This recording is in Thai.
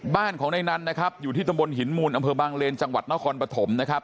บ้านของในนั้นนะครับอยู่ที่ตำบลหินมูลอำเภอบางเลนจังหวัดนครปฐมนะครับ